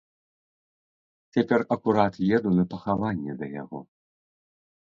Цяпер акурат еду на пахаванне да яго.